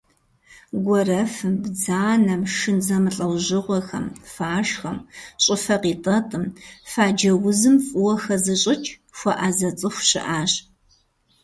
Гуэрэфым, бдзанэм, шын зэмылӏэужьыгъуэхэм, фашхэм, щӏыфэ къитӏэтӏым, фаджэ узым фӏыуэ хэзыщӏыкӏ, хуэӏэзэ цӏыху щыӏащ.